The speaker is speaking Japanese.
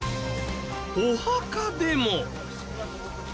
お墓でも。